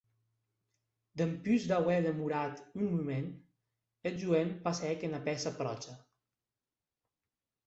Dempús d’auer demorat un moment, eth joen passèc ena pèça pròcha.